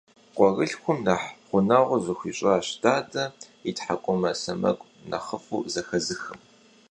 Къуэрылъхум нэхъ гъунэгъу зыхуищӀащ дадэ и тхьэкӀумэ сэмэгу нэхъыфӀу зэхэзыхым.